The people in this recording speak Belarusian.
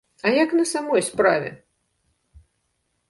А як на самай справе?